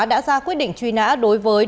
đã ra quyết định truy nã đối với